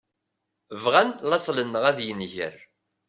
Bɣan laṣel-nneɣ ad yenger.